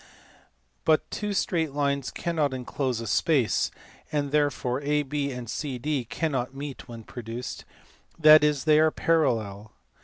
But two straight lines cannot enclose a space, therefore AB and CD cannot meet when produced, that is, they are parallel.